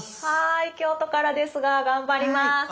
はい京都からですが頑張ります。